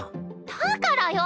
だからよ！